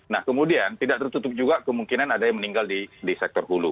nah kemudian tidak tertutup juga kemungkinan ada yang meninggal di sektor hulu